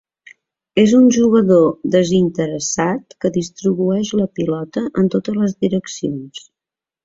És un jugador desinteressat que distribueix la pilota en totes les direccions.